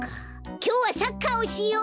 きょうはサッカーをしよう！